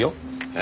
え？